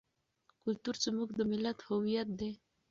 کلتور زموږ د ملت هویت دی.